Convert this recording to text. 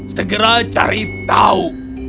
segera cari tahu